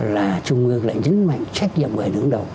là trung ương lại nhấn mạnh trách nhiệm người đứng đầu